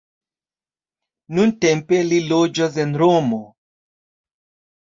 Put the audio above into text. Nuntempe li loĝas en Romo.